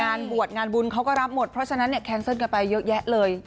งานบวชงานบุญเขาก็รับหมดเพราะฉะนั้นเนี่ยแคนเซิลกันไปเยอะแยะเลย